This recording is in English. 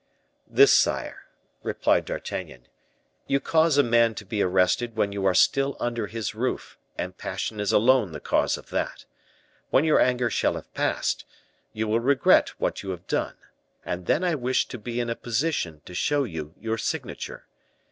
"This, sire," replied D'Artagnan: "you cause a man to be arrested when you are still under his roof; and passion is alone the cause of that. When your anger shall have passed, you will regret what you have done; and then I wish to be in a position to show you your signature.